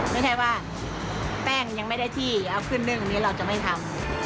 ไม่ใช่ว่าแป้งยังไม่ได้ที่เอาขึ้นนึ่งนี้เราจะไม่ทำ